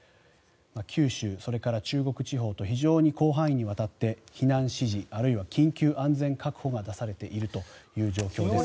九州、それから中国地方と非常に広範囲にわたって避難指示、あるいは緊急安全確保が出されているという状況です。